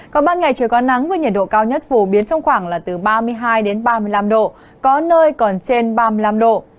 còn ban ngày trời có nắng với nhiệt độ cao nhất phổ biến trong khoảng là từ ba mươi hai ba mươi năm độ có nơi còn trên ba mươi năm độ